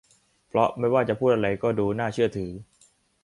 เพราะไม่ว่าจะพูดอะไรก็ดูน่าเชื่อถือ